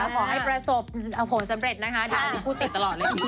ขอให้ประสบผลสำเร็จนะคะเดี๋ยวอันนี้พูดติดตลอดเลย